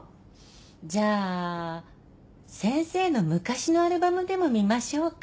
じゃあ先生の昔のアルバムでも見ましょうか。